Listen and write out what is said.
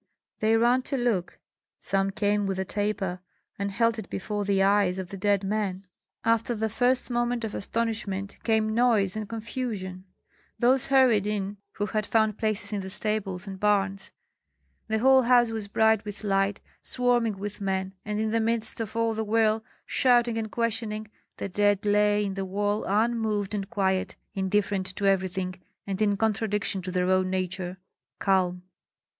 They ran to look; some came with a taper, and held it before the eyes of the dead men. After the first moment of astonishment came noise and confusion. Those hurried in who had found places in the stables and barns. The whole house was bright with light, swarming with men; and in the midst of all that whirl, shouting, and questioning, the dead lay at the wall unmoved and quiet, indifferent to everything, and, in contradiction to their own nature, calm.